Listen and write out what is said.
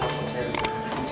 dia balik tadi